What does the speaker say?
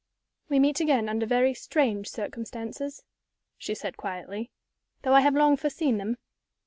"We meet again under very strange circumstances," she said, quietly; "though I have long foreseen them.